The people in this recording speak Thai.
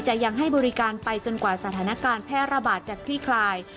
ยังให้บริการไปจนกว่าสถานการณ์แพร่ระบาดจะคลี่คลาย